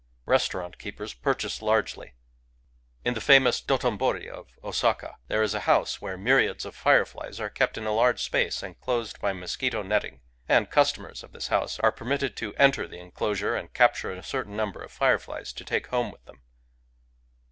Restaurant keepers purchase largely. In the famous Dotombori of Osaka, there is a house where myriads of fireflies are kept in a large space enclosed by mosquito netting ; and customers of this house are permitted to enter the enclosure and capture a certain number of fireflies to take home with them.